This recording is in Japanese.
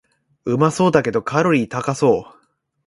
うまそうだけどカロリー高そう